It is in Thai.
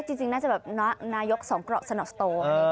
จริงน่าจะแบบนายกสองเกราะสนอสโต